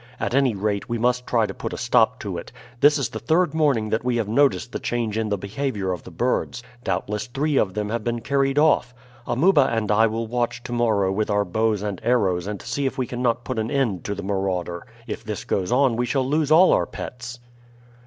At any rate, we must try to put a stop to it. This is the third morning that we have noticed the change in the behavior of the birds. Doubtless three of them have been carried off. Amuba and I will watch to morrow with our bows and arrows and see if we cannot put an end to the marauder. If this goes on we shall lose all our pets."